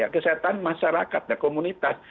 kesihatan masyarakat dan komunitas